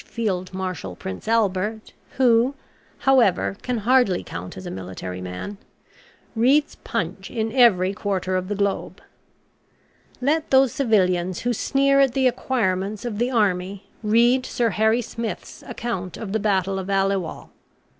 Field Marshal Prince Albert, who, however, can hardly count as a military man,) reads PUNCH in every quarter of the globe. Let those civilians who sneer at the acquirements of the army read Sir Harry Smith's account of the Battle of Aliwal.